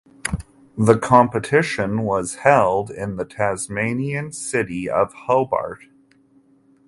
The competition was held in the Tasmanian city of Hobart.